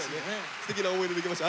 すてきな思い出できました。